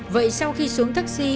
vậy sau khi xuống taxi